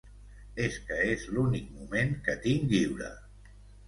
Es que es l'únic moment que tinc lliure.